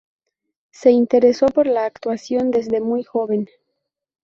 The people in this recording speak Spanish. Se interesó por la actuación desde muy joven.